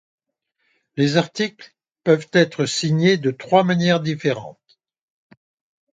Les articles peuvent être signés de trois manières différentes.